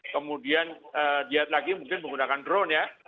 kemudian dia lagi mungkin menggunakan drone ya